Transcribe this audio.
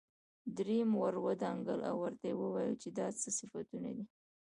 دريم ور ودانګل او ورته يې وويل چې دا څه صفتونه دي.